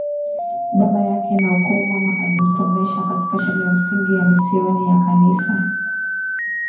baba yake na ukoo Mama alimsomesha katika shule ya msingi ya misioni ya Kanisa